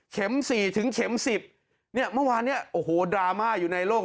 ๔ถึงเข็ม๑๐เนี่ยเมื่อวานเนี่ยโอ้โหดราม่าอยู่ในโลก